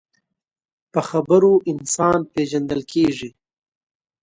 په خبرو انسان پیژندل کېږي